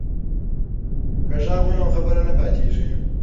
که غږ وي نو خبر نه پاتیږي.